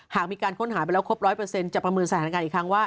หากมีการค้นหาไปแล้วครบ๑๐๐จะประเมินสถานการณ์อีกครั้งว่า